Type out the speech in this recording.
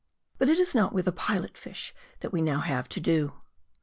But it is not with the Pilot fish that we now have to do.